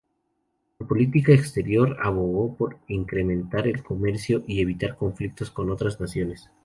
En política exterior, abogó por incrementar el comercio y evitar conflictos con otras naciones.